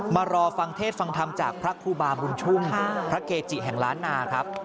มารอฟังเทศฟังธรรมจากพระครูบาบุญชุ่มพระเกจิแห่งล้านนาครับ